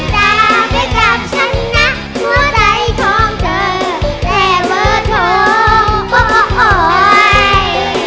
ตาไปกลับฉันนะเมื่อใส่ท้องเจอและเมื่อท้องโป๊ะโอ๊ย